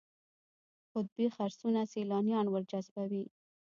قطبي خرسونه سیلانیان ورجذبوي.